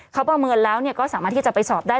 เขาประเมินแล้วก็สามารถที่จะไปสอบได้